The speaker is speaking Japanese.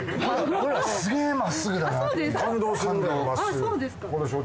そうですか。